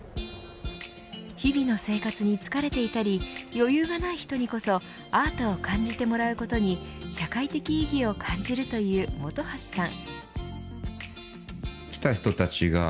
日々の生活に疲れていたり余裕がない人にこそアートを感じてもらうことに社会的意義を感じるという本橋さん。